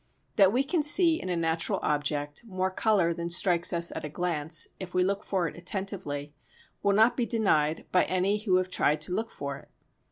That we can see in a natural object more colour than strikes us at a glance, if we look for it attentively, will not be denied by any who have tried to look for it.